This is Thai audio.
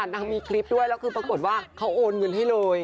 นางมีคลิปด้วยแล้วคือปรากฏว่าเขาโอนเงินให้เลย